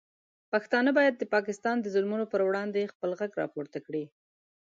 پښتانه باید د پاکستان د ظلمونو پر وړاندې خپل غږ راپورته کړي.